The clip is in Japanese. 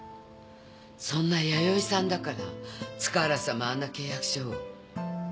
そんな弥生さんだから塚原さんもあんな契約書を。